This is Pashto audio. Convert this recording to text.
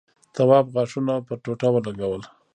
تواب غاښونه پر ټوټه ولگول.